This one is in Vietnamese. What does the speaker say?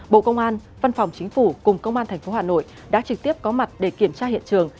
bộ công an văn phòng chính phủ cùng công an tp hà nội đã trực tiếp có mặt để kiểm tra hiện trường